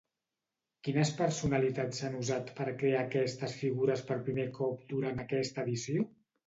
Quines personalitats s'han usat per crear aquestes figures per primer cop durant aquesta edició?